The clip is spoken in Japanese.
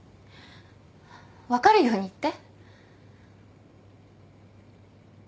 分かるように言って。